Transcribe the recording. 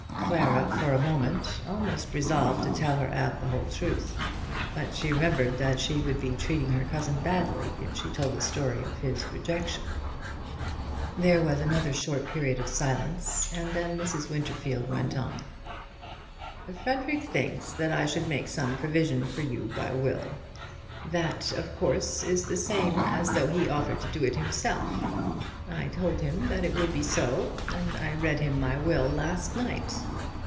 Clara, for a moment, almost resolved to tell her aunt the whole truth; but she remembered that she would be treating her cousin badly if she told the story of his rejection. There was another short period of silence, and then Mrs. Winterfield went on. "Frederic thinks that I should make some provision for you by will. That, of course, is the same as though he offered to do it himself. I told him that it would be so, and I read him my will last night.